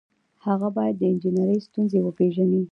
هغه باید د انجنیری ستونزې وپيژني.